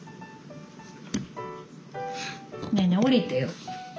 ねえねえ下りてよ。